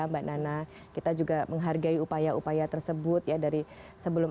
mbak nana kita juga menghargai upaya upaya tersebut ya dari sebelum